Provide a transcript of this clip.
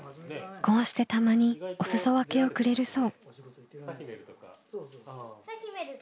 こうしてたまにおすそ分けをくれるそう。